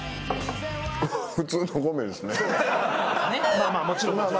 まあまあもちろん。